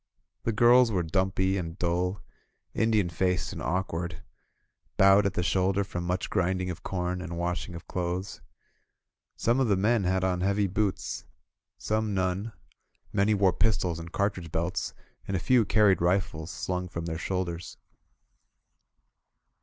The girls were dumpy and dull, Indian faced and awkward, bowed at the shoulder from much grind ing of corn and washing of clothes. Some of the men had on heavy boots, some none; many wore pis tols and cartridge belts, and a few carried rifles slung from their shoulders.